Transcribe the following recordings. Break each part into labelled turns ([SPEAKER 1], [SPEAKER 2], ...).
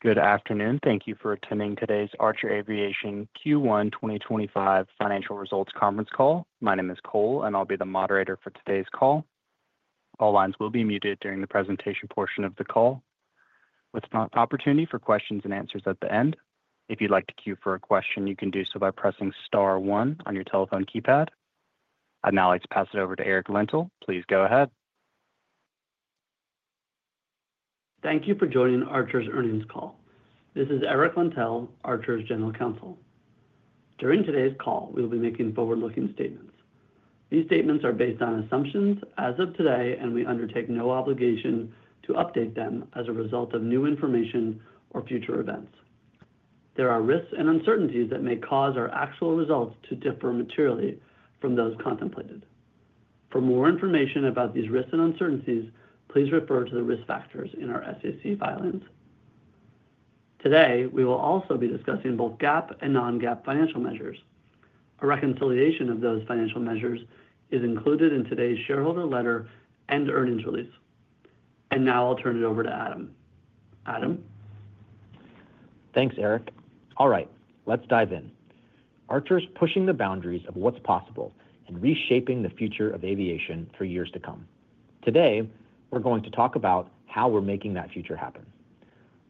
[SPEAKER 1] Good afternoon. Thank you for attending today's Archer Aviation Q1 2025 Financial Results Conference call. My name is Cole, and I'll be the moderator for today's call. All lines will be muted during the presentation portion of the call, with an opportunity for questions and answers at the end. If you'd like to queue for a question, you can do so by pressing star one on your telephone keypad. I'd now like to pass it over to Eric Lentel. Please go ahead.
[SPEAKER 2] Thank you for joining Archer's earnings call. This is Eric Lentell, Archer's General Counsel. During today's call, we will be making forward-looking statements. These statements are based on assumptions as of today, and we undertake no obligation to update them as a result of new information or future events. There are risks and uncertainties that may cause our actual results to differ materially from those contemplated. For more information about these risks and uncertainties, please refer to the risk factors in our SEC filings. Today, we will also be discussing both GAAP and non-GAAP financial measures. A reconciliation of those financial measures is included in today's shareholder letter and earnings release. Now I'll turn it over to Adam. Adam.
[SPEAKER 3] Thanks, Eric. All right, let's dive in. Archer's pushing the boundaries of what's possible and reshaping the future of aviation for years to come. Today, we're going to talk about how we're making that future happen.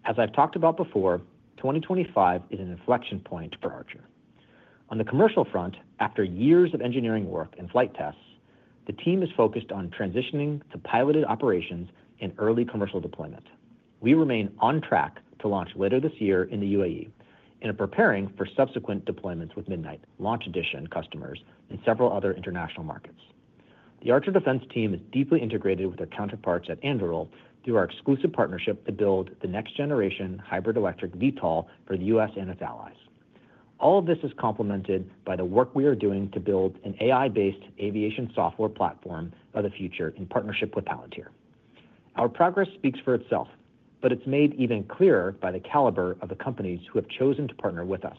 [SPEAKER 3] As I've talked about before, 2025 is an inflection point for Archer. On the commercial front, after years of engineering work and flight tests, the team is focused on transitioning to piloted operations and early commercial deployment. We remain on track to launch later this year in the UAE and are preparing for subsequent deployments with Midnight Launch Edition customers and several other international markets. The Archer Defense team is deeply integrated with our counterparts at Anduril through our exclusive partnership to build the next-generation hybrid electric VTOL for the U.S. and its allies. All of this is complemented by the work we are doing to build an AI-based aviation software platform for the future in partnership with Palantir. Our progress speaks for itself, but it is made even clearer by the caliber of the companies who have chosen to partner with us.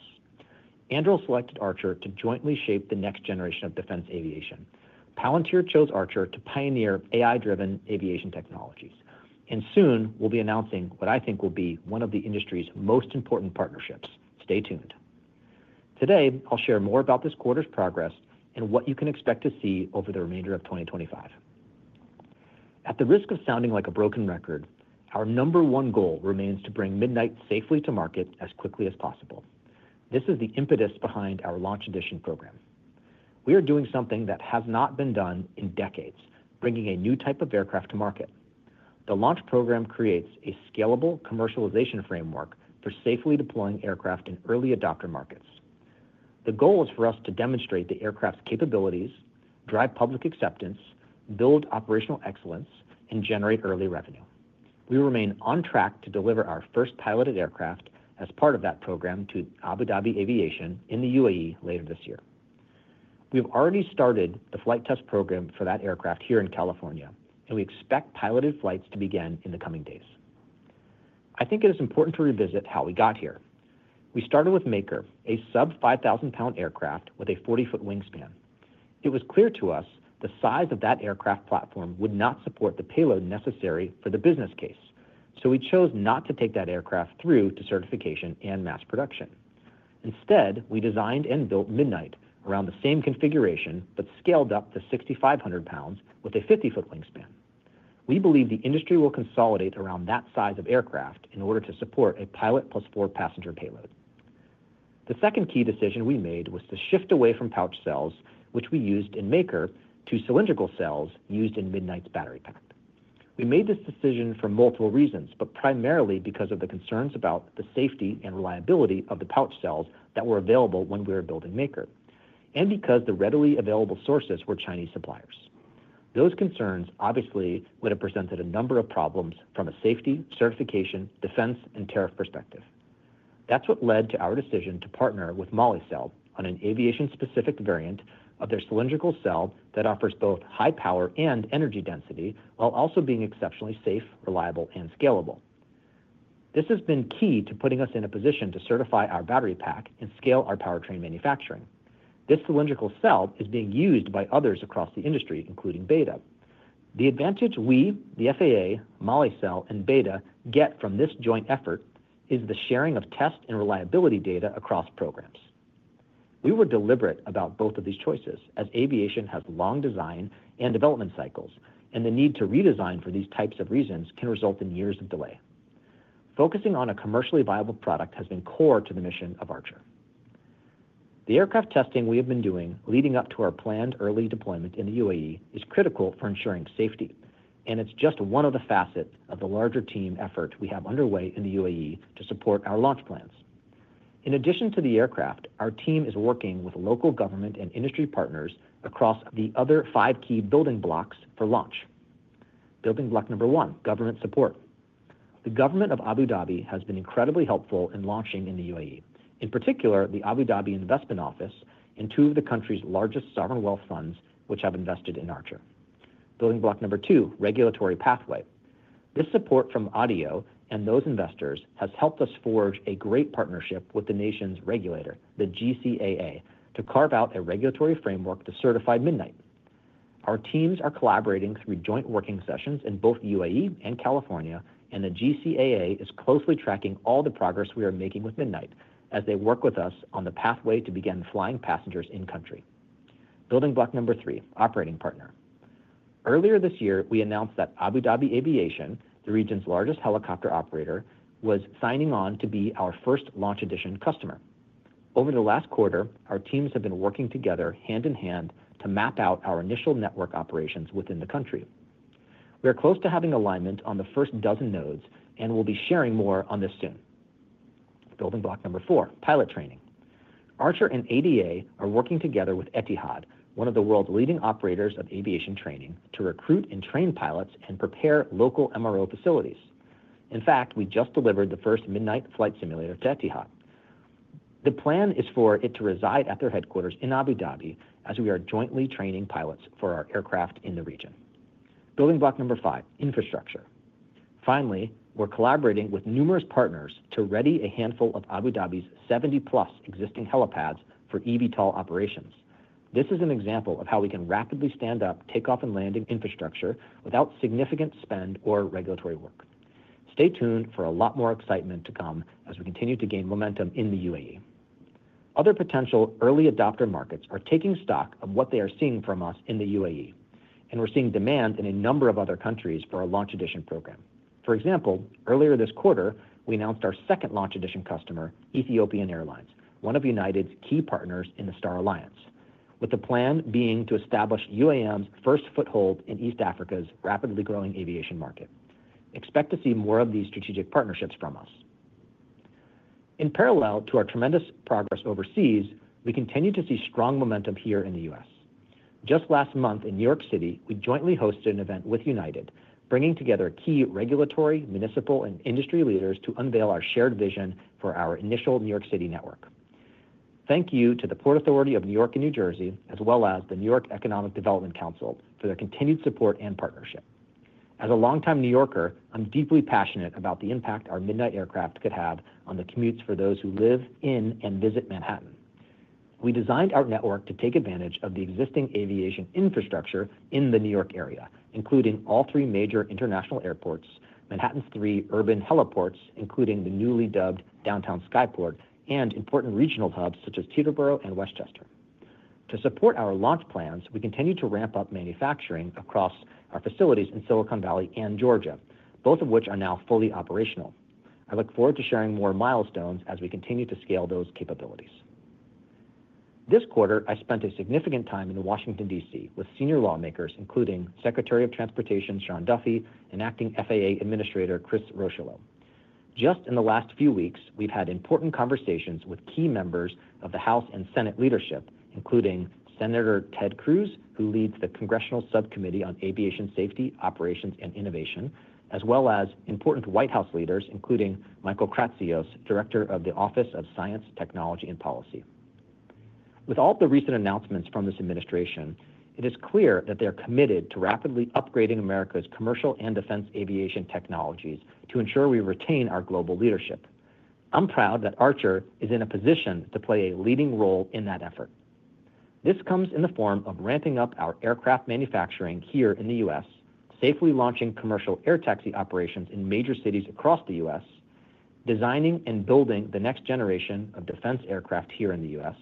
[SPEAKER 3] Anduril selected Archer to jointly shape the next generation of defense aviation. Palantir chose Archer to pioneer AI-driven aviation technologies, and soon we will be announcing what I think will be one of the industry's most important partnerships. Stay tuned. Today, I will share more about this quarter's progress and what you can expect to see over the remainder of 2025. At the risk of sounding like a broken record, our number one goal remains to bring Midnight safely to market as quickly as possible. This is the impetus behind our Launch Edition program. We are doing something that has not been done in decades, bringing a new type of aircraft to market. The launch program creates a scalable commercialization framework for safely deploying aircraft in early adopter markets. The goal is for us to demonstrate the aircraft's capabilities, drive public acceptance, build operational excellence, and generate early revenue. We remain on track to deliver our first piloted aircraft as part of that program to Abu Dhabi Aviation in the UAE later this year. We have already started the flight test program for that aircraft here in California, and we expect piloted flights to begin in the coming days. I think it is important to revisit how we got here. We started with Maker, a sub-5,000 lbs aircraft with a 40 ft wingspan. It was clear to us the size of that aircraft platform would not support the payload necessary for the business case, so we chose not to take that aircraft through to certification and mass production. Instead, we designed and built Midnight around the same configuration but scaled up to 6,500 lbs with a 50 ft wingspan. We believe the industry will consolidate around that size of aircraft in order to support a pilot plus four passenger payload. The second key decision we made was to shift away from pouch cells, which we used in Maker, to cylindrical cells used in Midnight's battery pack. We made this decision for multiple reasons, but primarily because of the concerns about the safety and reliability of the pouch cells that were available when we were building Maker, and because the readily available sources were Chinese suppliers. Those concerns obviously would have presented a number of problems from a safety, certification, defense, and tariff perspective. That's what led to our decision to partner with Molicel on an aviation-specific variant of their cylindrical cell that offers both high power and energy density while also being exceptionally safe, reliable, and scalable. This has been key to putting us in a position to certify our battery pack and scale our powertrain manufacturing. This cylindrical cell is being used by others across the industry, including Beta. The advantage we, the FAA, Molicel, and Beta get from this joint effort is the sharing of test and reliability data across programs. We were deliberate about both of these choices, as aviation has long design and development cycles, and the need to redesign for these types of reasons can result in years of delay. Focusing on a commercially viable product has been core to the mission of Archer. The aircraft testing we have been doing leading up to our planned early deployment in the UAE is critical for ensuring safety, and it's just one of the facets of the larger team effort we have underway in the UAE to support our launch plans. In addition to the aircraft, our team is working with local government and industry partners across the other five key building blocks for launch. Building block number one: government support. The government of Abu Dhabi has been incredibly helpful in launching in the UAE, in particular the Abu Dhabi Investment Office and two of the country's largest sovereign wealth funds, which have invested in Archer. Building block number two: regulatory pathway. This support from ADIO and those investors has helped us forge a great partnership with the nation's regulator, the GCAA, to carve out a regulatory framework to certify Midnight. Our teams are collaborating through joint working sessions in both the UAE and California, and the GCAA is closely tracking all the progress we are making with Midnight as they work with us on the pathway to begin flying passengers in-country. Building block number three: operating partner. Earlier this year, we announced that Abu Dhabi Aviation, the region's largest helicopter operator, was signing on to be our first Launch Edition customer. Over the last quarter, our teams have been working together hand in hand to map out our initial network operations within the country. We are close to having alignment on the first dozen nodes and will be sharing more on this soon. Building block number four: pilot training. Archer and Abu Dhabi Aviation are working together with Etihad, one of the world's leading operators of aviation training, to recruit and train pilots and prepare local MRO facilities. In fact, we just delivered the first Midnight flight simulator to Etihad. The plan is for it to reside at their headquarters in Abu Dhabi as we are jointly training pilots for our aircraft in the region. Building block number five: infrastructure. Finally, we're collaborating with numerous partners to ready a handful of Abu Dhabi's 70+ existing helipads for eVTOL operations. This is an example of how we can rapidly stand up takeoff and landing infrastructure without significant spend or regulatory work. Stay tuned for a lot more excitement to come as we continue to gain momentum in the UAE. Other potential early adopter markets are taking stock of what they are seeing from us in the UAE, and we're seeing demand in a number of other countries for our Launch Edition program. For example, earlier this quarter, we announced our second Launch Edition customer, Ethiopian Airlines, one of United's key partners in the Star Alliance, with the plan being to establish UAM's first foothold in East Africa's rapidly growing aviation market. Expect to see more of these strategic partnerships from us. In parallel to our tremendous progress overseas, we continue to see strong momentum here in the U.S. Just last month in New York City, we jointly hosted an event with United, bringing together key regulatory, municipal, and industry leaders to unveil our shared vision for our initial New York City network. Thank you to the Port Authority of New York and New Jersey, as well as the New York Economic Development Council, for their continued support and partnership. As a longtime New Yorker, I'm deeply passionate about the impact our Midnight aircraft could have on the commutes for those who live in and visit Manhattan. We designed our network to take advantage of the existing aviation infrastructure in the New York area, including all three major international airports, Manhattan's three urban heliports, including the newly dubbed Downtown Skyport, and important regional hubs such as Teterboro and Westchester. To support our launch plans, we continue to ramp up manufacturing across our facilities in Silicon Valley and Georgia, both of which are now fully operational. I look forward to sharing more milestones as we continue to scale those capabilities. This quarter, I spent a significant time in Washington, D.C., with senior lawmakers, including Secretary of Transportation Sean Duffy and Acting FAA Administrator Chris Rocheleau. Just in the last few weeks, we've had important conversations with key members of the House and Senate leadership, including Senator Ted Cruz, who leads the Congressional Subcommittee on Aviation Safety, Operations, and Innovation, as well as important White House leaders, including Michael Kratsios, Director of the Office of Science, Technology, and Policy. With all the recent announcements from this administration, it is clear that they are committed to rapidly upgrading America's commercial and defense aviation technologies to ensure we retain our global leadership. I'm proud that Archer is in a position to play a leading role in that effort. This comes in the form of ramping up our aircraft manufacturing here in the U.S., safely launching commercial air taxi operations in major cities across the U.S., designing and building the next generation of defense aircraft here in the U.S.,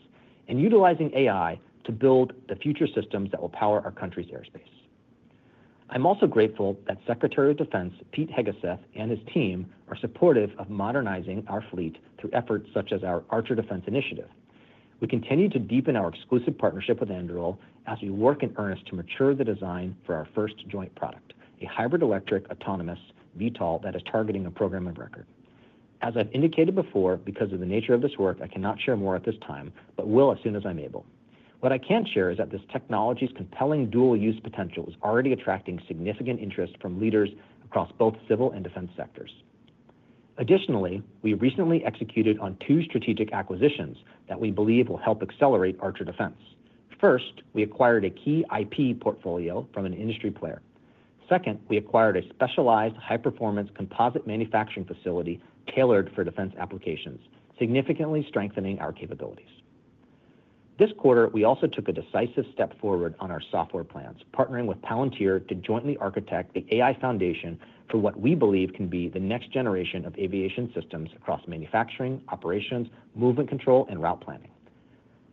[SPEAKER 3] and utilizing AI to build the future systems that will power our country's airspace. I'm also grateful that Secretary of Defense Pete Hegseth and his team are supportive of modernizing our fleet through efforts such as our Archer Defense Initiative. We continue to deepen our exclusive partnership with Anduril as we work in earnest to mature the design for our first joint product, a hybrid electric autonomous VTOL that is targeting a program of record. As I've indicated before, because of the nature of this work, I cannot share more at this time, but will as soon as I'm able. What I can share is that this technology's compelling dual-use potential is already attracting significant interest from leaders across both civil and defense sectors. Additionally, we recently executed on two strategic acquisitions that we believe will help accelerate Archer Defense. First, we acquired a key IP portfolio from an industry player. Second, we acquired a specialized high-performance composite manufacturing facility tailored for defense applications, significantly strengthening our capabilities. This quarter, we also took a decisive step forward on our software plans, partnering with Palantir to jointly architect the AI Foundation for what we believe can be the next generation of aviation systems across manufacturing, operations, movement control, and route planning.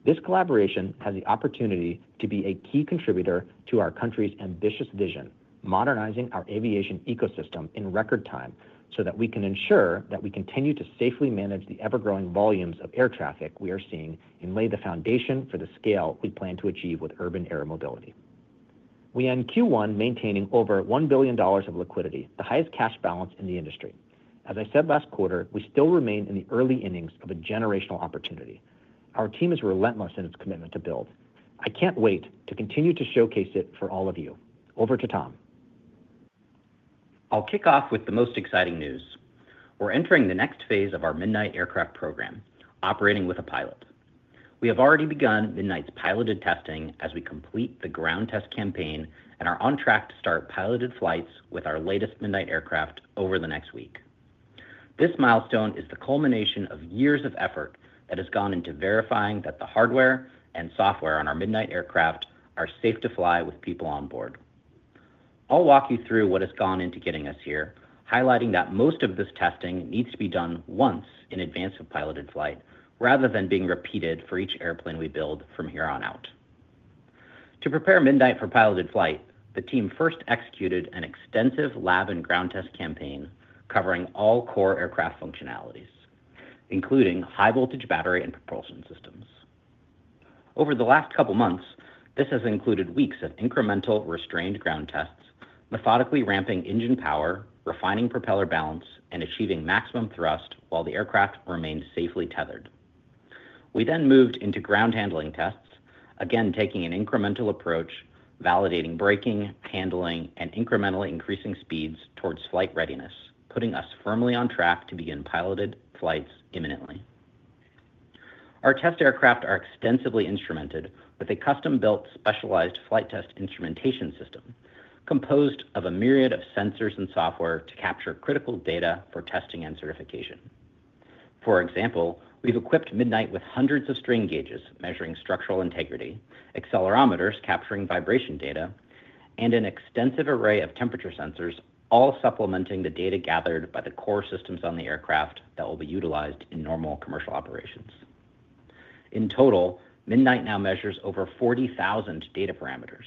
[SPEAKER 3] This collaboration has the opportunity to be a key contributor to our country's ambitious vision, modernizing our aviation ecosystem in record time so that we can ensure that we continue to safely manage the ever-growing volumes of air traffic we are seeing and lay the foundation for the scale we plan to achieve with urban air mobility. We end Q1 maintaining over $1 billion of liquidity, the highest cash balance in the industry. As I said last quarter, we still remain in the early innings of a generational opportunity. Our team is relentless in its commitment to build. I can't wait to continue to showcase it for all of you. Over to Tom. I'll kick off with the most exciting news. We're entering the next phase of our Midnight aircraft program, operating with a pilot. We have already begun Midnight's piloted testing as we complete the ground test campaign and are on track to start piloted flights with our latest Midnight aircraft over the next week. This milestone is the culmination of years of effort that has gone into verifying that the hardware and software on our Midnight aircraft are safe to fly with people on board. I'll walk you through what has gone into getting us here, highlighting that most of this testing needs to be done once in advance of piloted flight, rather than being repeated for each airplane we build from here on out. To prepare Midnight for piloted flight, the team first executed an extensive lab and ground test campaign covering all core aircraft functionalities, including high-voltage battery and propulsion systems. Over the last couple of months, this has included weeks of incremental restrained ground tests, methodically ramping engine power, refining propeller balance, and achieving maximum thrust while the aircraft remained safely tethered. We then moved into ground handling tests, again taking an incremental approach, validating braking, handling, and incrementally increasing speeds towards flight readiness, putting us firmly on track to begin piloted flights imminently. Our test aircraft are extensively instrumented with a custom-built specialized flight test instrumentation system composed of a myriad of sensors and software to capture critical data for testing and certification. For example, we've equipped Midnight with hundreds of strain gauges measuring structural integrity, accelerometers capturing vibration data, and an extensive array of temperature sensors, all supplementing the data gathered by the core systems on the aircraft that will be utilized in normal commercial operations. In total, Midnight now measures over 40,000 data parameters.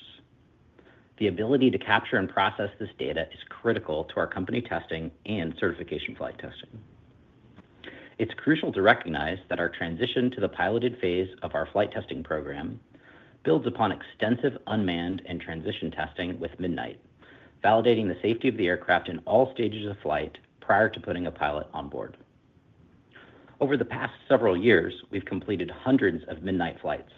[SPEAKER 3] The ability to capture and process this data is critical to our company testing and certification flight testing. It's crucial to recognize that our transition to the piloted phase of our flight testing program builds upon extensive unmanned and transition testing with Midnight, validating the safety of the aircraft in all stages of flight prior to putting a pilot on board. Over the past several years, we've completed hundreds of Midnight flights,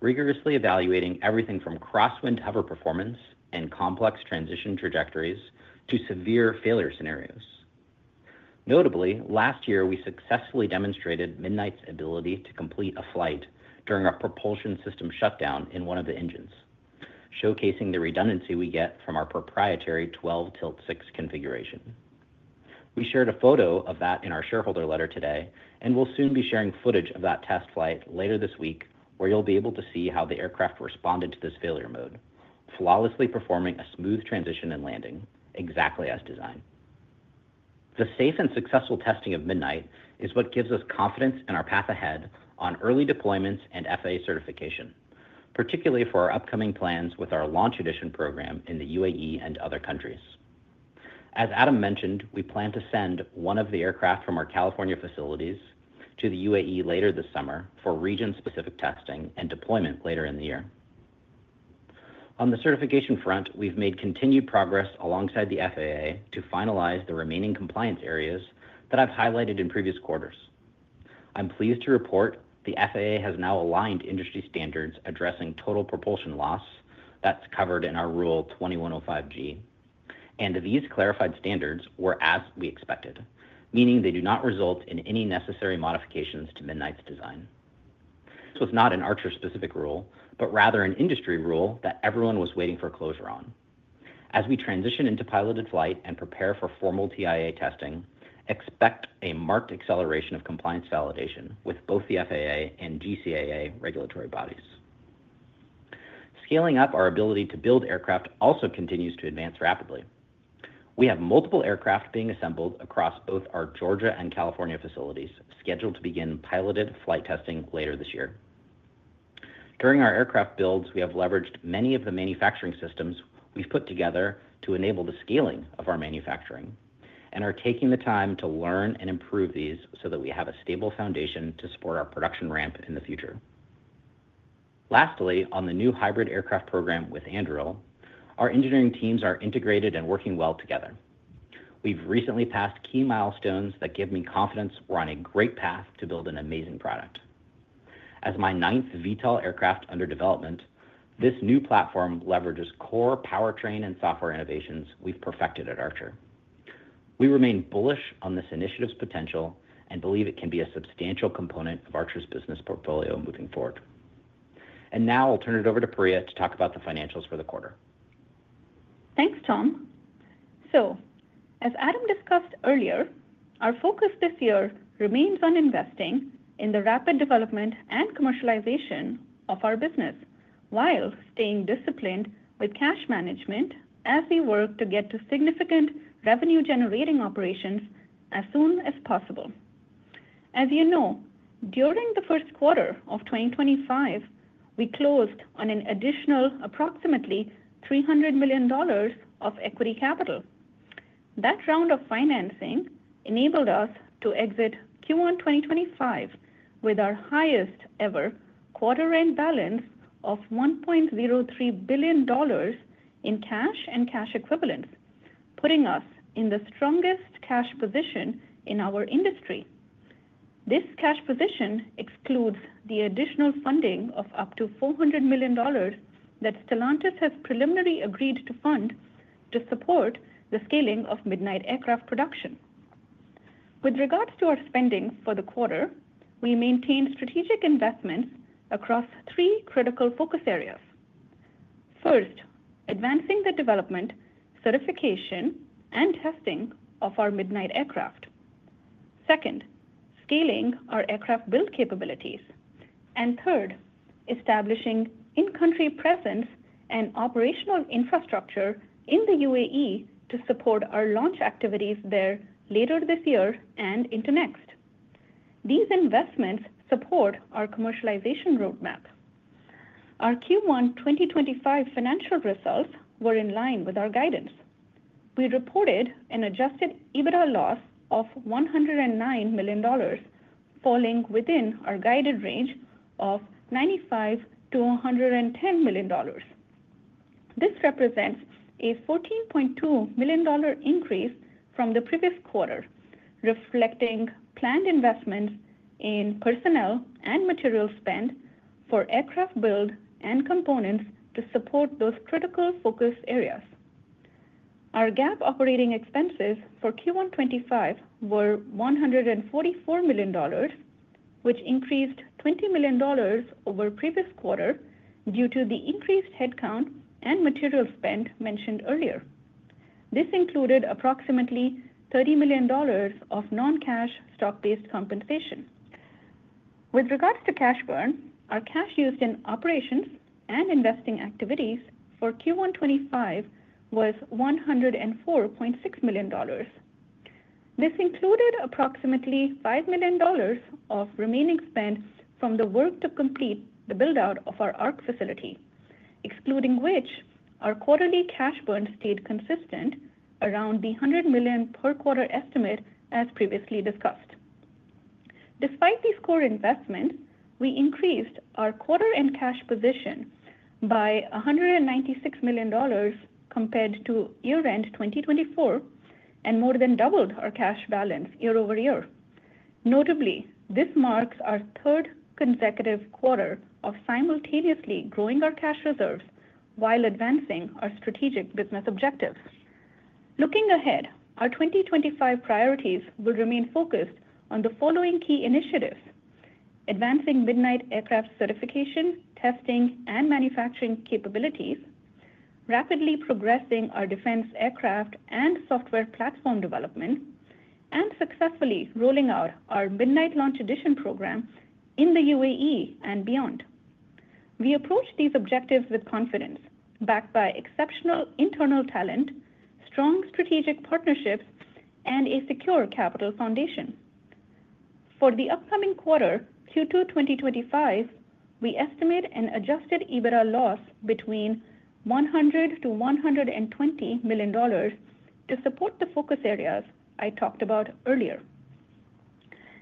[SPEAKER 3] rigorously evaluating everything from crosswind cover performance and complex transition trajectories to severe failure scenarios. Notably, last year, we successfully demonstrated Midnight's ability to complete a flight during a propulsion system shutdown in one of the engines, showcasing the redundancy we get from our proprietary 12 tilt six configuration. We shared a photo of that in our shareholder letter today, and we'll soon be sharing footage of that test flight later this week, where you'll be able to see how the aircraft responded to this failure mode, flawlessly performing a smooth transition and landing exactly as designed. The safe and successful testing of Midnight is what gives us confidence in our path ahead on early deployments and FAA certification, particularly for our upcoming plans with our Launch Edition program in the UAE and other countries. As Adam mentioned, we plan to send one of the aircraft from our California facilities to the UAE later this summer for region-specific testing and deployment later in the year. On the certification front, we've made continued progress alongside the FAA to finalize the remaining compliance areas that I've highlighted in previous quarters. I'm pleased to report the FAA has now aligned industry standards addressing total propulsion loss that's covered in our Rule 2105G, and these clarified standards were as we expected, meaning they do not result in any necessary modifications to Midnight's design. This was not an Archer-specific rule, but rather an industry rule that everyone was waiting for closure on. As we transition into piloted flight and prepare for formal TIA testing, expect a marked acceleration of compliance validation with both the FAA and GCAA regulatory bodies. Scaling up our ability to build aircraft also continues to advance rapidly. We have multiple aircraft being assembled across both our Georgia and California facilities, scheduled to begin piloted flight testing later this year. During our aircraft builds, we have leveraged many of the manufacturing systems we've put together to enable the scaling of our manufacturing and are taking the time to learn and improve these so that we have a stable foundation to support our production ramp in the future. Lastly, on the new hybrid aircraft program with Anduril, our engineering teams are integrated and working well together. We have recently passed key milestones that give me confidence we are on a great path to build an amazing product. As my 9th VTOL aircraft under development, this new platform leverages core powertrain and software innovations we have perfected at Archer. We remain bullish on this initiative's potential and believe it can be a substantial component of Archer's business portfolio moving forward. I will now turn it over to Priya to talk about the financials for the quarter.
[SPEAKER 4] Thanks, Tom. As Adam discussed earlier, our focus this year remains on investing in the rapid development and commercialization of our business while staying disciplined with cash management as we work to get to significant revenue-generating operations as soon as possible. As you know, during the first quarter of 2025, we closed on an additional approximately $300 million of equity capital. That round of financing enabled us to exit Q1 2025 with our highest-ever quarter-end balance of $1.03 billion in cash and cash equivalents, putting us in the strongest cash position in our industry. This cash position excludes the additional funding of up to $400 million that Stellantis has preliminarily agreed to fund to support the scaling of Midnight aircraft production. With regards to our spending for the quarter, we maintain strategic investments across three critical focus areas. First, advancing the development, certification, and testing of our Midnight aircraft. Second, scaling our aircraft build capabilities. Third, establishing in-country presence and operational infrastructure in the UAE to support our launch activities there later this year and into next. These investments support our commercialization roadmap. Our Q1 2025 financial results were in line with our guidance. We reported an adjusted EBITDA loss of $109 million, falling within our guided range of $95 million-$110 million. This represents a $14.2 million increase from the previous quarter, reflecting planned investments in personnel and material spend for aircraft build and components to support those critical focus areas. Our GAAP operating expenses for Q1 2025 were $144 million, which increased $20 million over previous quarter due to the increased headcount and material spend mentioned earlier. This included approximately $30 million of non-cash stock-based compensation. With regards to cash burn, our cash used in operations and investing activities for Q1 2025 was $104.6 million. This included approximately $5 million of remaining spend from the work to complete the build-out of our ARC facility, excluding which our quarterly cash burn stayed consistent around the $100 million per quarter estimate as previously discussed. Despite these core investments, we increased our quarter-end cash position by $196 million compared to year-end 2024 and more than doubled our cash balance year-over-year. Notably, this marks our third consecutive quarter of simultaneously growing our cash reserves while advancing our strategic business objectives. Looking ahead, our 2025 priorities will remain focused on the following key initiatives: advancing Midnight aircraft certification, testing, and manufacturing capabilities, rapidly progressing our defense aircraft and software platform development, and successfully rolling out our Midnight Launch Edition program in the UAE and beyond. We approach these objectives with confidence, backed by exceptional internal talent, strong strategic partnerships, and a secure capital foundation. For the upcoming quarter, Q2 2025, we estimate an adjusted EBITDA loss between $100 million-$120 million to support the focus areas I talked about earlier.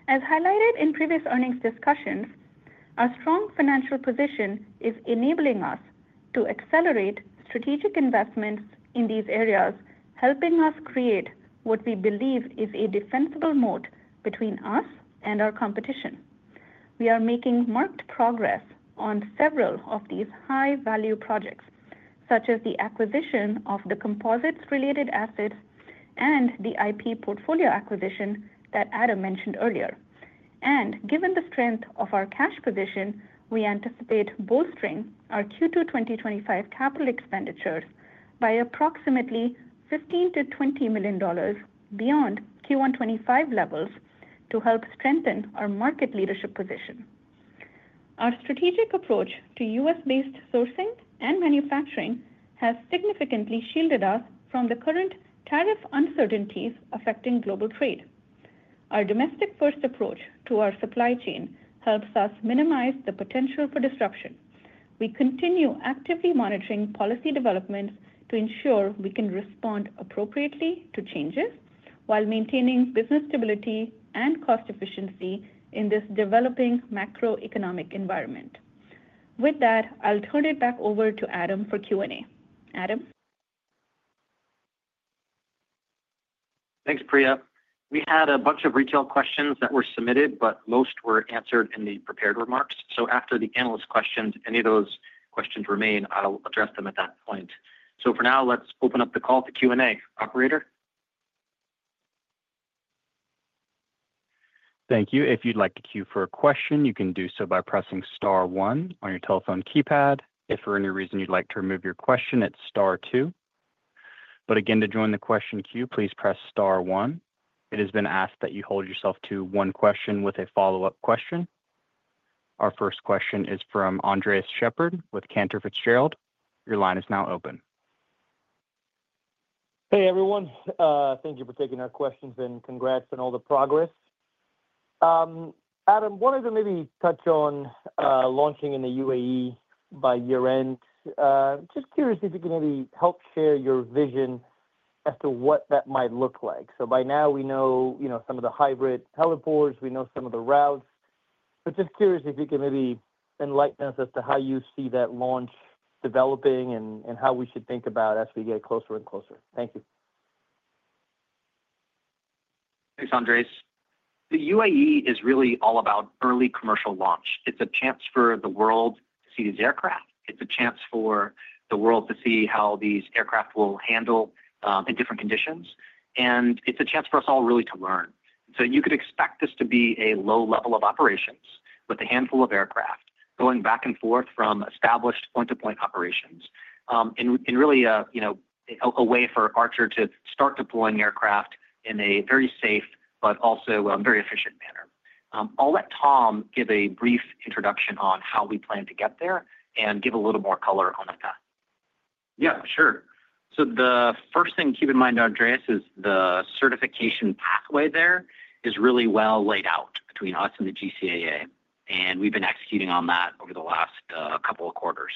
[SPEAKER 4] As highlighted in previous earnings discussions, our strong financial position is enabling us to accelerate strategic investments in these areas, helping us create what we believe is a defensible moat between us and our competition. We are making marked progress on several of these high-value projects, such as the acquisition of the composites-related assets and the IP portfolio acquisition that Adam mentioned earlier. Given the strength of our cash position, we anticipate bolstering our Q2 2025 capital expenditures by approximately $15 million-$20 million beyond Q1 2025 levels to help strengthen our market leadership position. Our strategic approach to U.S.-based sourcing and manufacturing has significantly shielded us from the current tariff uncertainties affecting global trade. Our domestic-first approach to our supply chain helps us minimize the potential for disruption. We continue actively monitoring policy developments to ensure we can respond appropriately to changes while maintaining business stability and cost efficiency in this developing macroeconomic environment. With that, I'll turn it back over to Adam for Q&A. Adam.
[SPEAKER 3] Thanks, Priya. We had a bunch of retail questions that were submitted, but most were answered in the prepared remarks. After the analyst questions, if any of those questions remain, I'll address them at that point. For now, let's open up the call to Q&A. Operator.
[SPEAKER 1] Thank you. If you'd like to queue for a question, you can do so by pressing star one on your telephone keypad. If for any reason you'd like to remove your question, it's star two. Again, to join the question queue, please press star one. It has been asked that you hold yourself to one question with a follow-up question. Our first question is from Andres Sheppard with Cantor Fitzgerald. Your line is now open.
[SPEAKER 5] Hey, everyone. Thank you for taking our questions and congrats on all the progress. Adam, what is it, maybe touch on launching in the UAE by year-end? Just curious if you can maybe help share your vision as to what that might look like. By now, we know some of the hybrid teleports, we know some of the routes, but just curious if you can maybe enlighten us as to how you see that launch developing and how we should think about it as we get closer and closer. Thank you.
[SPEAKER 3] Thanks, Andres. The UAE is really all about early commercial launch. It's a chance for the world to see these aircraft. It's a chance for the world to see how these aircraft will handle in different conditions. It's a chance for us all really to learn. You could expect this to be a low level of operations with a handful of aircraft going back and forth from established point-to-point operations and really a way for Archer to start deploying aircraft in a very safe, but also very efficient manner. I'll let Tom give a brief introduction on how we plan to get there and give a little more color on that. Yeah, sure. The first thing to keep in mind, Andres, is the certification pathway there is really well laid out between us and the GCAA. We've been executing on that over the last couple of quarters,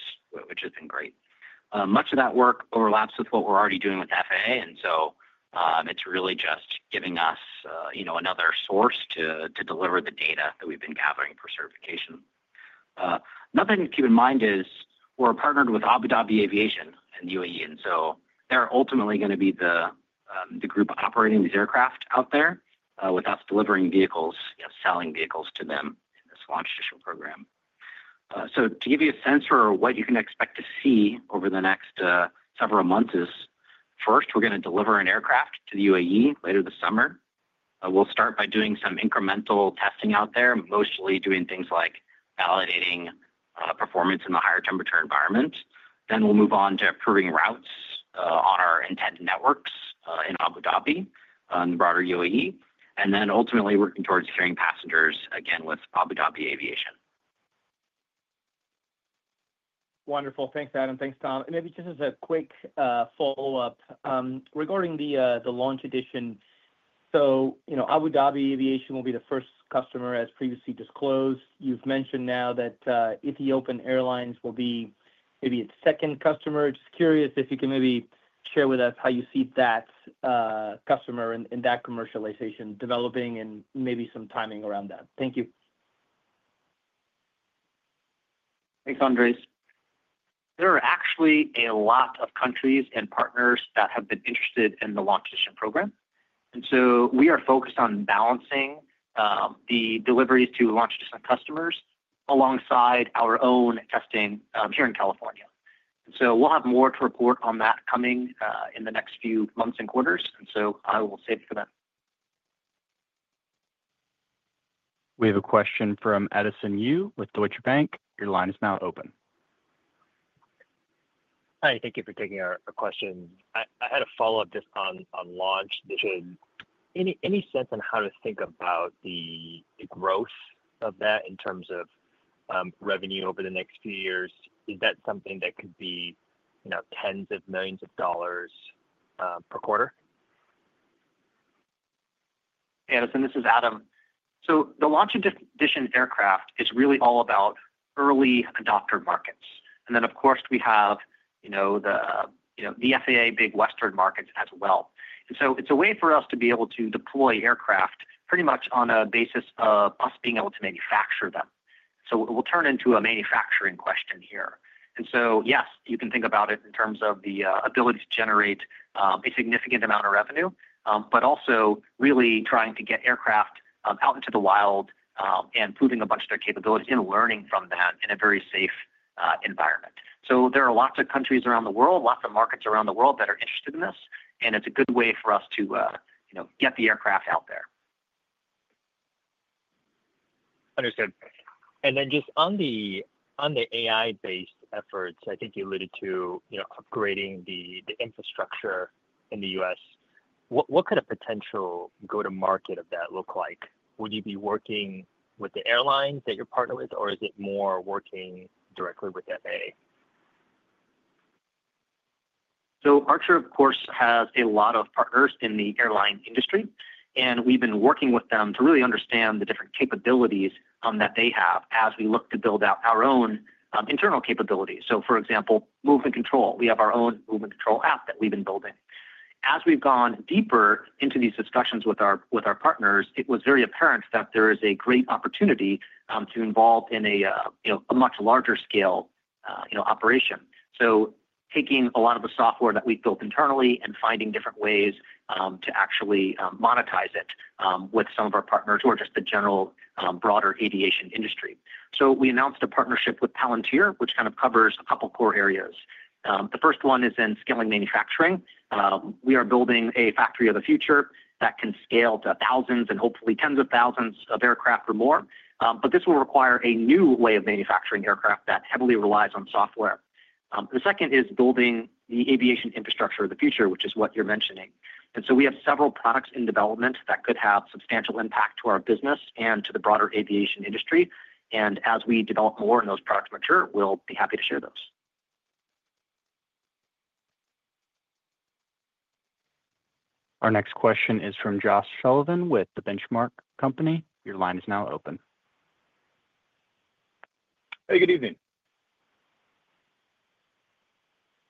[SPEAKER 3] which has been great. Much of that work overlaps with what we're already doing with FAA. It is really just giving us another source to deliver the data that we have been gathering for certification. Another thing to keep in mind is we are partnered with Abu Dhabi Aviation in the UAE. They are ultimately going to be the group operating these aircraft out there with us delivering vehicles, selling vehicles to them in this launch initial program. To give you a sense for what you can expect to see over the next several months, first, we are going to deliver an aircraft to the UAE later this summer. We will start by doing some incremental testing out there, mostly doing things like validating performance in the higher temperature environment. We will move on to approving routes on our intended networks in Abu Dhabi and the broader UAE. Ultimately, we are working towards carrying passengers again with Abu Dhabi Aviation.
[SPEAKER 5] Wonderful. Thanks, Adam. Thanks, Tom. Maybe just as a quick follow-up regarding the launch edition, Abu Dhabi Aviation will be the first customer, as previously disclosed. You've mentioned now that Ethiopian Airlines will be maybe its second customer. Just curious if you can maybe share with us how you see that customer and that commercialization developing and maybe some timing around that. Thank you.
[SPEAKER 3] Thanks, Andres. There are actually a lot of countries and partners that have been interested in the launch edition program. We are focused on balancing the deliveries to launch edition customers alongside our own testing here in California. We'll have more to report on that coming in the next few months and quarters. I will save it for then.
[SPEAKER 1] We have a question from Edison Yu with Deutsche Bank. Your line is now open.
[SPEAKER 6] Hi. Thank you for taking our question. I had a follow-up just on launch. Any sense on how to think about the growth of that in terms of revenue over the next few years? Is that something that could be tens of millions of dollars per quarter?
[SPEAKER 3] Edison, this is Adam. The launch edition aircraft is really all about early adopter markets. Of course, we have the FAA big western markets as well. It is a way for us to be able to deploy aircraft pretty much on a basis of us being able to manufacture them. It will turn into a manufacturing question here. Yes, you can think about it in terms of the ability to generate a significant amount of revenue, but also really trying to get aircraft out into the wild and proving a bunch of their capabilities and learning from that in a very safe environment. There are lots of countries around the world, lots of markets around the world that are interested in this. It's a good way for us to get the aircraft out there.
[SPEAKER 6] Understood. Just on the AI-based efforts, I think you alluded to upgrading the infrastructure in the U.S. What could a potential go-to-market of that look like? Would you be working with the airlines that you're partnered with, or is it more working directly with the FAA?
[SPEAKER 3] Archer, of course, has a lot of partners in the airline industry. We've been working with them to really understand the different capabilities that they have as we look to build out our own internal capabilities. For example, movement control. We have our own movement control app that we've been building. As we've gone deeper into these discussions with our partners, it was very apparent that there is a great opportunity to involve in a much larger scale operation. Taking a lot of the software that we've built internally and finding different ways to actually monetize it with some of our partners who are just the general broader aviation industry. We announced a partnership with Palantir, which kind of covers a couple of core areas. The first one is in scaling manufacturing. We are building a factory of the future that can scale to thousands and hopefully tens of thousands of aircraft or more. This will require a new way of manufacturing aircraft that heavily relies on software. The second is building the aviation infrastructure of the future, which is what you're mentioning. We have several products in development that could have substantial impact to our business and to the broader aviation industry. As we develop more and those products mature, we'll be happy to share those.
[SPEAKER 1] Our next question is from Josh Sullivan with the Benchmark Company. Your line is now open.
[SPEAKER 7] Hey, good evening.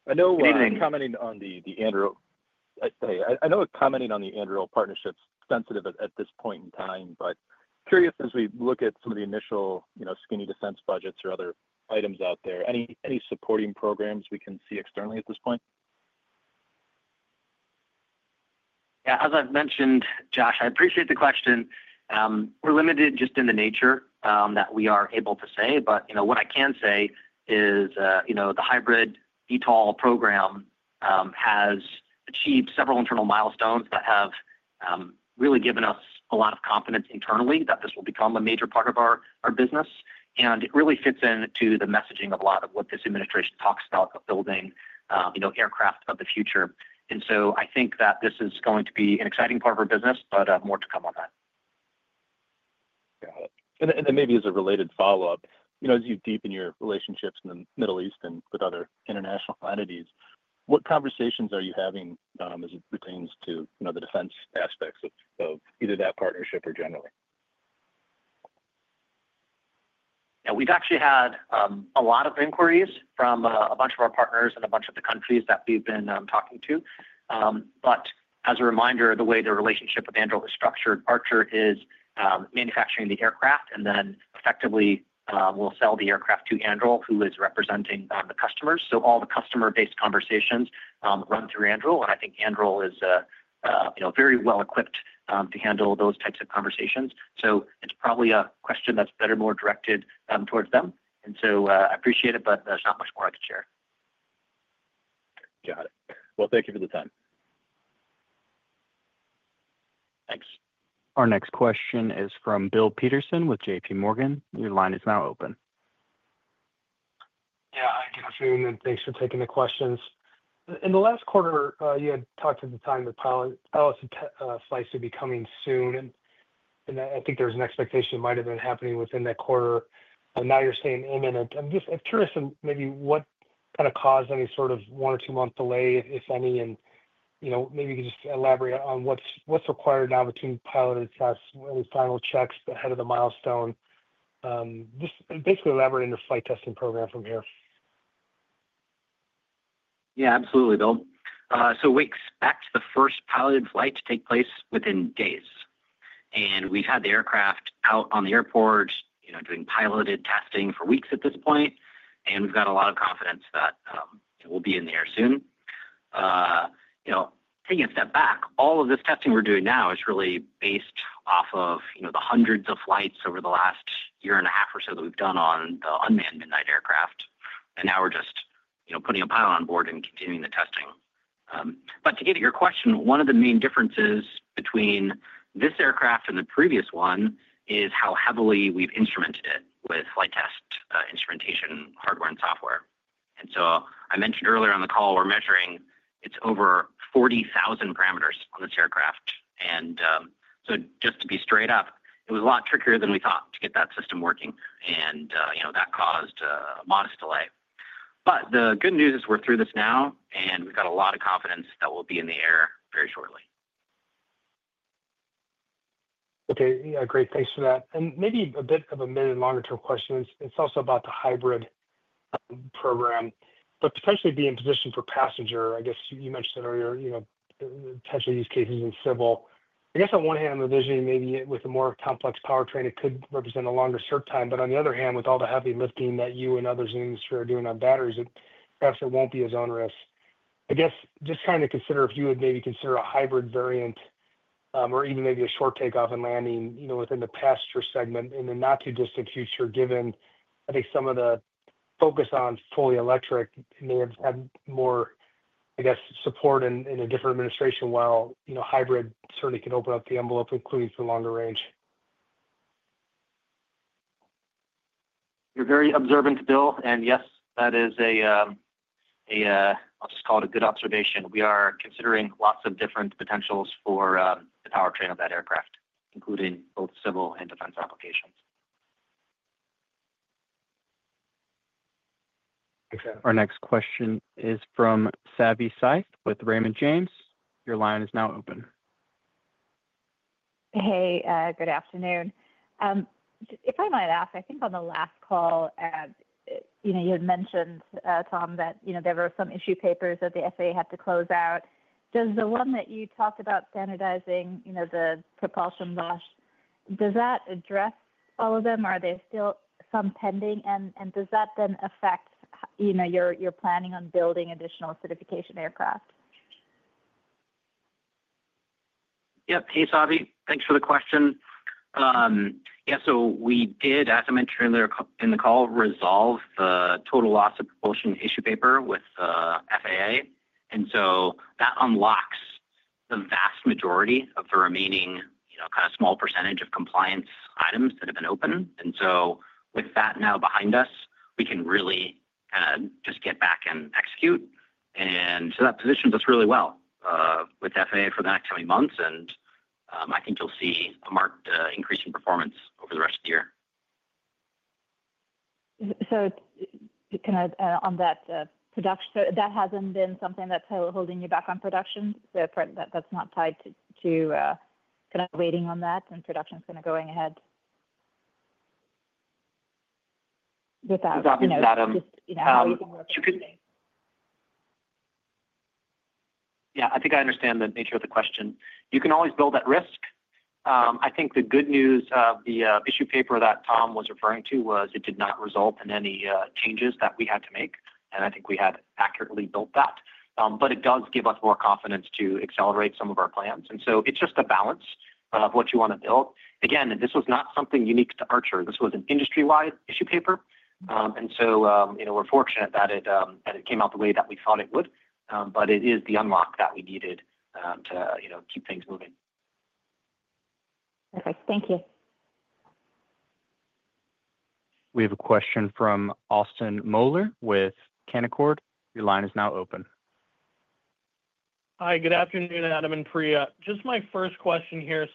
[SPEAKER 7] I know. Good evening. Commenting on the Anduril partnership is sensitive at this point in time, but curious as we look at some of the initial skinny defense budgets or other items out there, any supporting programs we can see externally at this point?
[SPEAKER 3] Yeah, as I've mentioned, Josh, I appreciate the question. We're limited just in the nature that we are able to say. What I can say is the hybrid eVTOL program has achieved several internal milestones that have really given us a lot of confidence internally that this will become a major part of our business. It really fits into the messaging of a lot of what this administration talks about, building aircraft of the future. I think that this is going to be an exciting part of our business, but more to come on that.
[SPEAKER 7] Got it. Maybe as a related follow-up, as you deepen your relationships in the Middle East and with other international entities, what conversations are you having as it pertains to the defense aspects of either that partnership or generally?
[SPEAKER 3] Yeah, we've actually had a lot of inquiries from a bunch of our partners and a bunch of the countries that we've been talking to. As a reminder, the way the relationship with Andrew is structured, Archer is manufacturing the aircraft and then effectively will sell the aircraft to Andrew, who is representing the customers. All the customer-based conversations run through Andrew. I think Andrew is very well equipped to handle those types of conversations. It is probably a question that's better more directed towards them. I appreciate it, but there's not much more I could share.
[SPEAKER 7] Got it. Thank you for the time.
[SPEAKER 1] Thanks. Our next question is from Bill Peterson with JPMorgan. Your line is now open.
[SPEAKER 8] Yeah, I can assume and thanks for taking the questions. In the last quarter, you had talked at the time that pilots would be coming soon. I think there was an expectation it might have been happening within that quarter. Now you're saying imminent. I'm just curious maybe what kind of caused any sort of one or two-month delay, if any, and maybe you could just elaborate on what's required now between piloted tests, any final checks ahead of the milestone, just basically elaborating the flight testing program from here.
[SPEAKER 3] Yeah, absolutely, Bill. We expect the first piloted flight to take place within days. We've had the aircraft out on the airport doing piloted testing for weeks at this point. We've got a lot of confidence that we'll be in the air soon. Taking a step back, all of this testing we're doing now is really based off of the hundreds of flights over the last year and a half or so that we've done on the unmanned Midnight aircraft. Now we're just putting a pilot on board and continuing the testing. To get at your question, one of the main differences between this aircraft and the previous one is how heavily we've instrumented it with flight test instrumentation, hardware, and software. I mentioned earlier on the call, we're measuring over 40,000 parameters on this aircraft. Just to be straight up, it was a lot trickier than we thought to get that system working. That caused a modest delay. The good news is we're through this now, and we've got a lot of confidence that we'll be in the air very shortly.
[SPEAKER 8] Okay. Great. Thanks for that. Maybe a bit of a mid and longer-term question. It's also about the hybrid program, but potentially being in position for passenger. I guess you mentioned earlier potential use cases in civil. I guess on one hand, I'm envisioning maybe with a more complex powertrain, it could represent a longer serve time. On the other hand, with all the heavy lifting that you and others in the industry are doing on batteries, perhaps it won't be as onerous. I guess just trying to consider if you would maybe consider a hybrid variant or even maybe a short takeoff and landing within the passenger segment in the not-too-distant future, given I think some of the focus on fully electric may have had more, I guess, support in a different administration, while hybrid certainly can open up the envelope, including for longer range.
[SPEAKER 3] You're very observant, Bill. Yes, that is a, I'll just call it a good observation. We are considering lots of different potentials for the powertrain of that aircraft, including both civil and defense applications.
[SPEAKER 1] Our next question is from Savi Syth with Raymond James. Your line is now open.
[SPEAKER 9] Hey, good afternoon. If I might ask, I think on the last call, you had mentioned, Tom, that there were some issue papers that the FAA had to close out. Does the one that you talked about standardizing the propulsion loss, does that address all of them? Are there still some pending? Does that then affect your planning on building additional certification aircraft?
[SPEAKER 10] Yep. Hey, Savi. Thanks for the question. Yeah. We did, as I mentioned earlier in the call, resolve the total loss of propulsion issue paper with FAA. That unlocks the vast majority of the remaining kind of small percentage of compliance items that have been open. With that now behind us, we can really kind of just get back and execute. That positions us really well with the FAA for the next several months. I think you'll see a marked increase in performance over the rest of the year.
[SPEAKER 9] On that production, that hasn't been something that's holding you back on production? That's not tied to kind of waiting on that and production's kind of going ahead?
[SPEAKER 3] Without. Without just. Yeah, I think I understand the nature of the question. You can always build at risk. The good news of the issue paper that Tom was referring to was it did not result in any changes that we had to make. I think we had accurately built that. It does give us more confidence to accelerate some of our plans. It's just a balance of what you want to build. This was not something unique to Archer. This was an industry-wide issue paper. We are fortunate that it came out the way that we thought it would. It is the unlock that we needed to keep things moving.
[SPEAKER 9] Perfect. Thank you.
[SPEAKER 1] We have a question from Austin Moeller with Canaccord. Your line is now open.
[SPEAKER 11] Hi. Good afternoon, Adam and Priya. Just my first question here.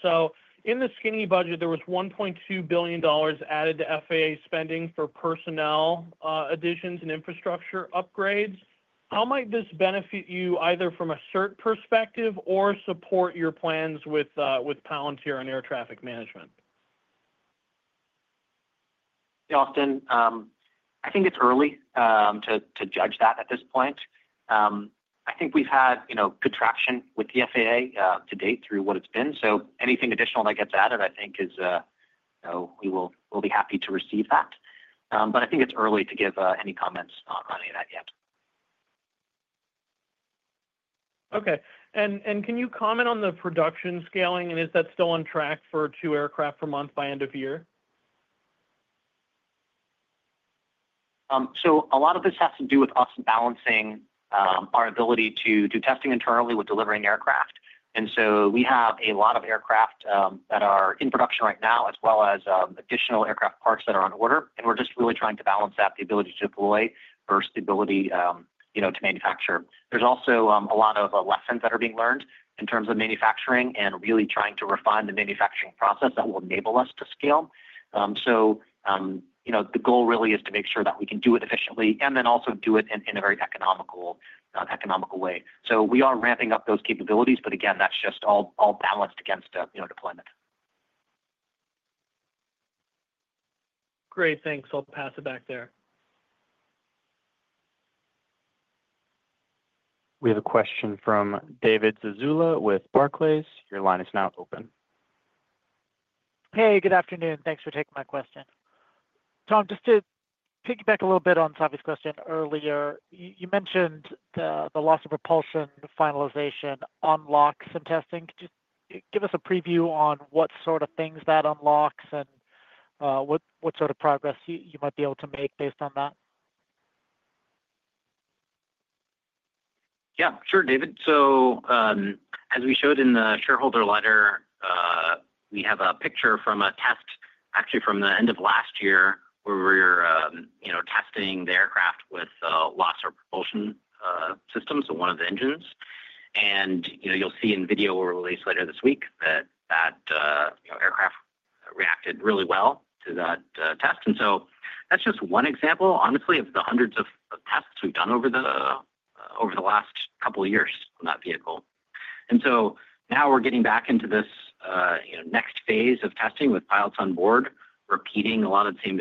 [SPEAKER 11] In the skinny budget, there was $1.2 billion added to FAA spending for personnel additions and infrastructure upgrades. How might this benefit you either from a cert perspective or support your plans with Palantir and Air Traffic Management?
[SPEAKER 3] Austin, I think it is early to judge that at this point. I think we have had good traction with the FAA to date through what it has been. Anything additional that gets added, we will be happy to receive that. I think it's early to give any comments on any of that yet.
[SPEAKER 11] Okay. Can you comment on the production scaling? Is that still on track for two aircraft per month by end of year?
[SPEAKER 3] A lot of this has to do with us balancing our ability to do testing internally with delivering aircraft. We have a lot of aircraft that are in production right now, as well as additional aircraft parts that are on order. We're just really trying to balance that, the ability to deploy versus the ability to manufacture. There are also a lot of lessons that are being learned in terms of manufacturing and really trying to refine the manufacturing process that will enable us to scale. The goal really is to make sure that we can do it efficiently and then also do it in a very economical way. We are ramping up those capabilities, but again, that's just all balanced against deployment.
[SPEAKER 11] Great. Thanks. I'll pass it back there.
[SPEAKER 1] We have a question from David Zazula with Barclays. Your line is now open.
[SPEAKER 12] Hey, good afternoon. Thanks for taking my question. Tom, just to piggyback a little bit on Savi's question earlier, you mentioned the loss of propulsion finalization unlocks some testing. Could you give us a preview on what sort of things that unlocks and what sort of progress you might be able to make based on that?
[SPEAKER 10] Yeah, sure, David. As we showed in the shareholder letter, we have a picture from a test, actually from the end of last year, where we were testing the aircraft with loss of propulsion systems, so one of the engines. You will see in video we will release later this week that that aircraft reacted really well to that test. That is just one example, honestly, of the hundreds of tests we have done over the last couple of years on that vehicle. Now we are getting back into this next phase of testing with pilots on board, repeating a lot of the same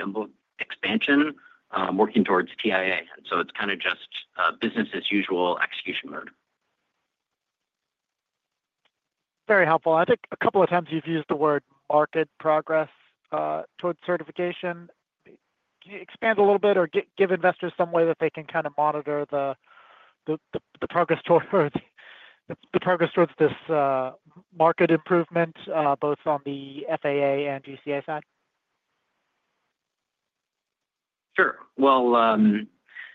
[SPEAKER 10] expansion, working towards TIA. It is kind of just business-as-usual execution mode.
[SPEAKER 12] Very helpful. I think a couple of times you have used the word market progress towards certification. Can you expand a little bit or give investors some way that they can kind of monitor the progress towards this market improvement, both on the FAA and GCAA side?
[SPEAKER 3] Sure.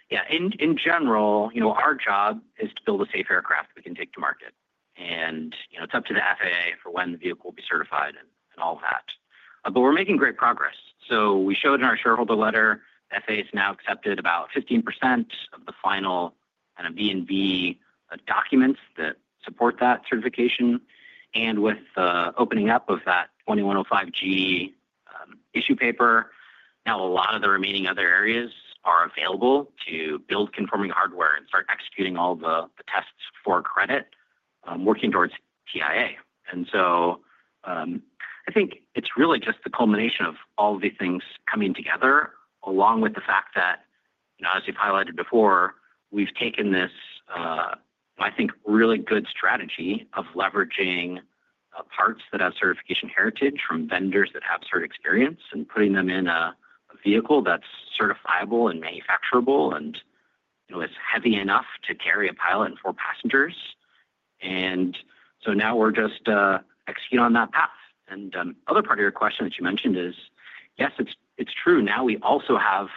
[SPEAKER 3] Yeah, in general, our job is to build a safe aircraft we can take to market. It's up to the FAA for when the vehicle will be certified and all of that. We're making great progress. We showed in our shareholder letter, FAA has now accepted about 15% of the final kind of B&B documents that support that certification. With the opening up of that 2105G issue paper, now a lot of the remaining other areas are available to build conforming hardware and start executing all the tests for credit, working towards TIA. I think it's really just the culmination of all of these things coming together, along with the fact that, as you've highlighted before, we've taken this, I think, really good strategy of leveraging parts that have certification heritage from vendors that have certain experience and putting them in a vehicle that's certifiable and manufacturable and is heavy enough to carry a pilot and four passengers. Now we're just executing on that path. The other part of your question that you mentioned is, yes, it's true. Now we also have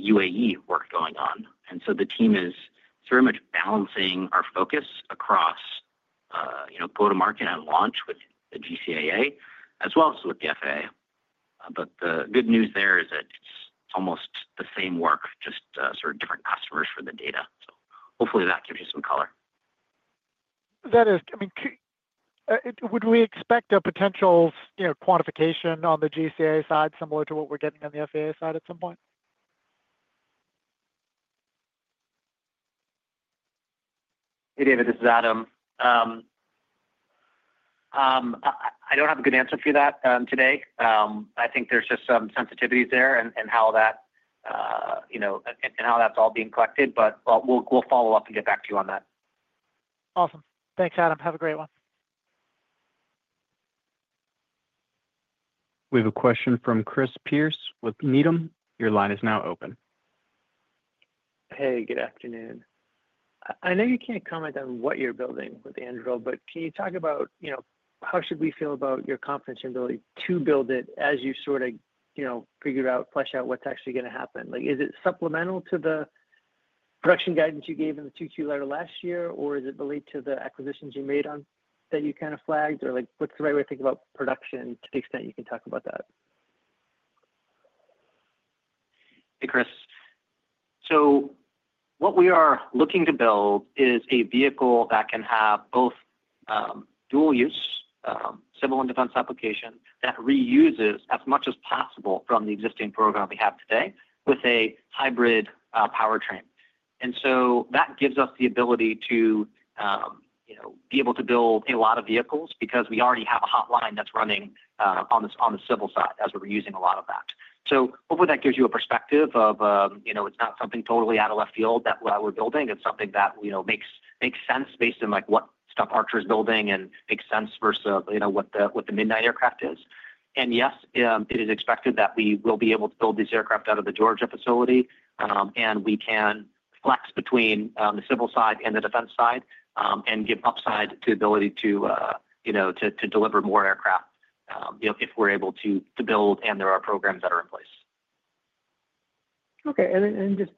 [SPEAKER 3] UAE work going on. The team is very much balancing our focus across go-to-market and launch with the GCAA, as well as with the FAA. The good news there is that it's almost the same work, just sort of different customers for the data. Hopefully that gives you some color.
[SPEAKER 12] That is, I mean, would we expect a potential quantification on the GCAA side similar to what we're getting on the FAA side at some point?
[SPEAKER 3] Hey, David, this is Adam. I don't have a good answer for you on that today. I think there's just some sensitivities there and how that and how that's all being collected. But we'll follow up and get back to you on that.
[SPEAKER 12] Awesome. Thanks, Adam. Have a great one.
[SPEAKER 1] We have a question from Chris Pierce with Needham. Your line is now open.
[SPEAKER 13] Hey, good afternoon. I know you can't comment on what you're building with Anduril, but can you talk about how should we feel about your confidence in ability to build it as you sort of figure out, flesh out what's actually going to happen? Is it supplemental to the production guidance you gave in the Q4 letter last year, or is it related to the acquisitions you made that you kind of flagged? Or what's the right way to think about production to the extent you can talk about that?
[SPEAKER 3] Hey, Chris. What we are looking to build is a vehicle that can have both dual use, civil and defense application, that reuses as much as possible from the existing program we have today with a hybrid powertrain. That gives us the ability to be able to build a lot of vehicles because we already have a hotline that's running on the civil side as we're using a lot of that. Hopefully that gives you a perspective of it's not something totally out of left field that we're building. is something that makes sense based on what stuff Archer is building and makes sense versus what the Midnight aircraft is. Yes, it is expected that we will be able to build these aircraft out of the Georgia facility. We can flex between the civil side and the defense side and give upside to the ability to deliver more aircraft if we are able to build and there are programs that are in place.
[SPEAKER 13] Okay.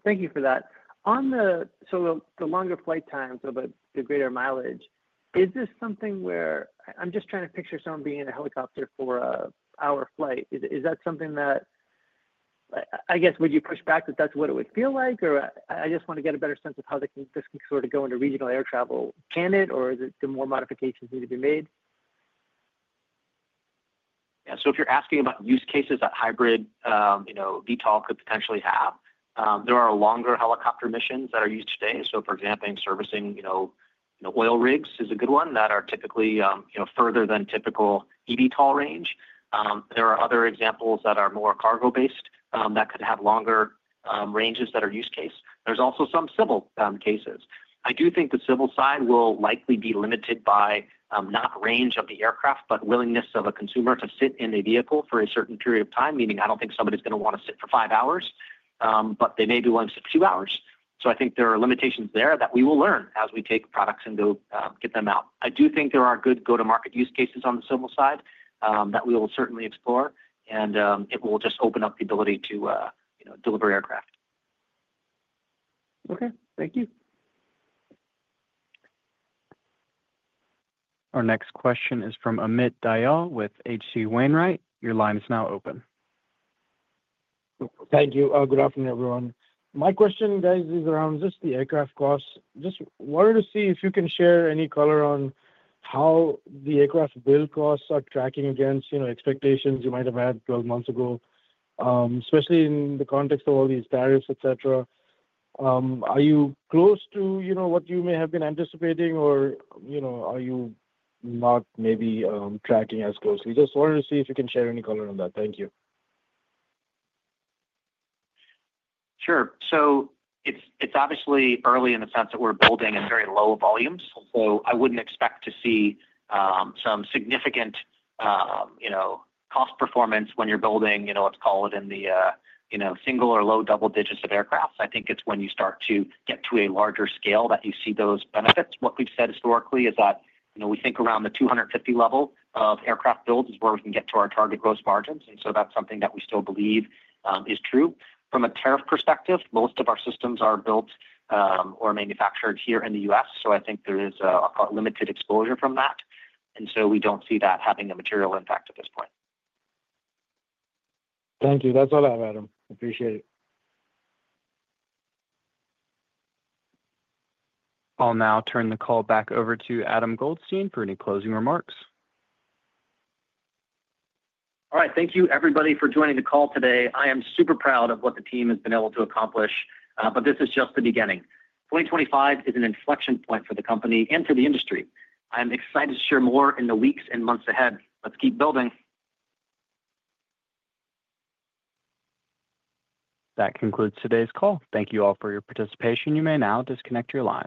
[SPEAKER 13] Thank you for that. The longer flight time, the greater mileage, is this something where I am just trying to picture someone being in a helicopter for a one-hour flight. Is that something that, I guess, would you push back that that is what it would feel like? I just want to get a better sense of how this can sort of go into regional air travel. Can it? Or is it more modifications need to be made?
[SPEAKER 3] Yeah. If you're asking about use cases that hybrid VTOL could potentially have, there are longer helicopter missions that are used today. For example, servicing oil rigs is a good one that are typically further than typical eVTOL range. There are other examples that are more cargo-based that could have longer ranges that are use case. There's also some civil cases. I do think the civil side will likely be limited by not range of the aircraft, but willingness of a consumer to sit in a vehicle for a certain period of time. Meaning, I don't think somebody's going to want to sit for five hours, but they may be willing to sit for two hours. I think there are limitations there that we will learn as we take products and go get them out. I do think there are good go-to-market use cases on the civil side that we will certainly explore. It will just open up the ability to deliver aircraft. Okay. Thank you. Our next question is from Amit Dayal with H.C. Wainwright. Your line is now open.
[SPEAKER 14] Thank you. Good afternoon, everyone. My question, guys, is around just the aircraft costs. Just wanted to see if you can share any color on how the aircraft build costs are tracking against expectations you might have had 12 months ago, especially in the context of all these tariffs, etc. Are you close to what you may have been anticipating, or are you not maybe tracking as closely? Just wanted to see if you can share any color on that. Thank you.
[SPEAKER 3] Sure. It is obviously early in the sense that we're building in very low volumes. I wouldn't expect to see some significant cost performance when you're building, let's call it, in the single or low double digits of aircraft. I think it's when you start to get to a larger scale that you see those benefits. What we've said historically is that we think around the 250 level of aircraft builds is where we can get to our target gross margins. That's something that we still believe is true. From a tariff perspective, most of our systems are built or manufactured here in the U.S. I think there is a limited exposure from that. We don't see that having a material impact at this point.
[SPEAKER 14] Thank you. That's all I have, Adam. Appreciate it.
[SPEAKER 1] I'll now turn the call back over to Adam Goldstein for any closing remarks. Thank you, everybody, for joining the call today.
[SPEAKER 3] I am super proud of what the team has been able to accomplish. But this is just the beginning. 2025 is an inflection point for the company and for the industry. I am excited to share more in the weeks and months ahead. Let's keep building. That concludes today's call. Thank you all for your participation. You may now disconnect your line.